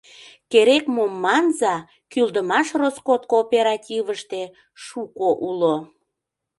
Керек-мом манза, кӱлдымаш роскот кооперативыште шуко уло.